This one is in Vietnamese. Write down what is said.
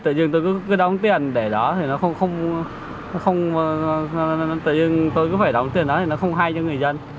tự nhiên tôi cứ đóng tiền để đó thì nó không tự nhiên tôi cứ phải đóng tiền đó thì nó không hay cho người dân